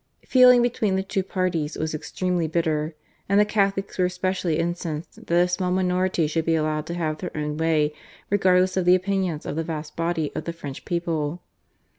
Feeling between the two parties was extremely bitter, and the Catholics were especially incensed that a small minority should be allowed to have their own way regardless of the opinions of the vast body of the French people.